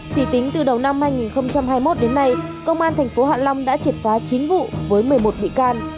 chỉ tính từ đầu năm hai nghìn hai mươi một đến nay công an tp hạ long đã triệt phá chín vụ với một mươi một bị can